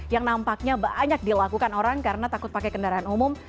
yang nampaknya banyak dilakukan orang karena takut pakai kendaraan umum